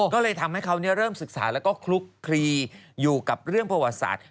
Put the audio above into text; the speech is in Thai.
ก็เลยทำให้เขาเริ่มศึกษาแล้วก็คลุกคลีอยู่กับเรื่องประวัติศาสตร์